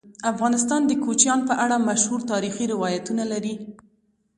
افغانستان د کوچیان په اړه مشهور تاریخی روایتونه لري.